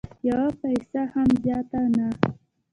یوه پیسه هم زیاته نه